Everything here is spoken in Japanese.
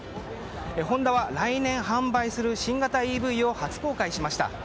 ホンダは来年販売する新型ＥＶを初公開しました。